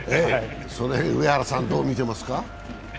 その辺、上原さんどう見てますか。